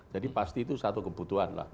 jadi pasti itu satu kebutuhanlah